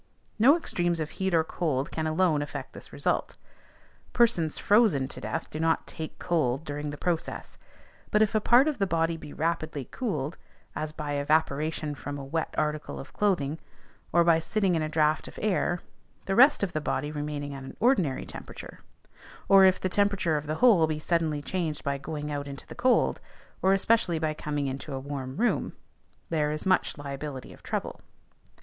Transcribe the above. No extremes of heat or cold can alone affect this result: persons frozen to death do not "take cold" during the process. But if a part of the body be rapidly cooled, as by evaporation from a wet article of clothing, or by sitting in a draught of air, the rest of the body remaining at an ordinary temperature; or if the temperature of the whole be suddenly changed by going out into the cold, or especially by coming into a warm room, there is much liability of trouble.